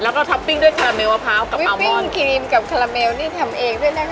แล้วก็ท็อปปิ้งด้วยคาราเมลมะพร้าวกับข้าวปิ้งครีมกับคาราเมลนี่ทำเองด้วยนะคะ